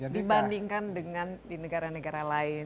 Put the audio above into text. dibandingkan dengan di negara negara lain